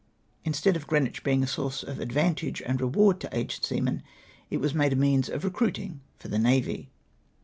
Instead of Greenwich being a source of advantage and reward to aged seamen it was made a means of recruiting for the navy.